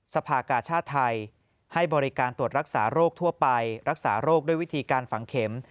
สภากาชาติไทยให้บริการตรวจรักษาโรคทั่วไปรักษาโรคด้วยวิธีการฝังเข็ม